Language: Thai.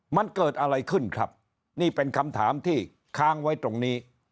มันเกิดอะไรขึ้นครับนี่เป็นคำถามที่ค้างไว้ตรงนี้